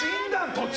途中。